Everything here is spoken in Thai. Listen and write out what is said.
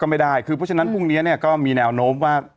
ไม่ได้คือเพราะฉะนั้นพรุ่งนี้เนี่ยก็มีแนวโน้มว่า